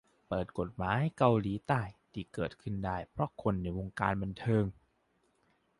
เปิดกฎหมายเกาหลีใต้ ที่เกิดขึ้นได้เพราะคนในวงการบันเทิง